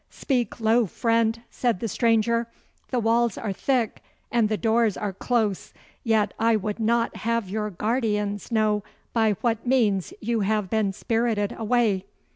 'Speak low, friend,' said the stranger. 'The walls are thick and the doors are close, yet I would not have your guardians know by what means you have been spirited away.